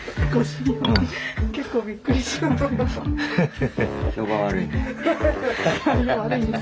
結構びっくりしますよ。